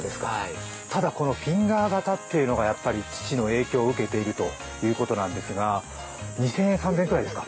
ただこのフィンガー型というのが父の影響を受けているということですが２３００円ぐらいですか？